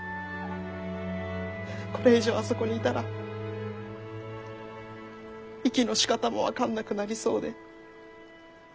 これ以上あそこにいたら息のしかたも分かんなくなりそうで。